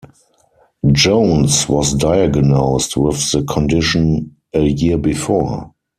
Jones was diagnosed with the condition a year before.